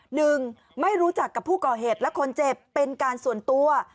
หนึ่งไม่รู้จักกับผู้ก่อเหตุและคนเจ็บเป็นการส่วนตัว